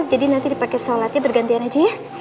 jadi nanti dipake sholatnya bergantian aja ya